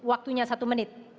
waktunya satu menit